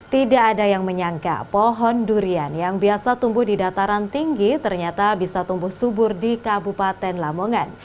tidak ada yang menyangka pohon durian yang biasa tumbuh di dataran tinggi ternyata bisa tumbuh subur di kabupaten lamongan